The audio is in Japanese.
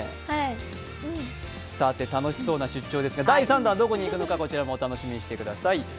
楽しそうな出張ですが第３弾はどこに行くのか、こちらもお楽しみにしていてください。